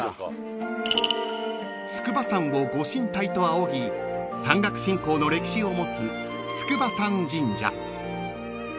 ［筑波山を御神体と仰ぎ山岳信仰の歴史を持つ筑波山神社］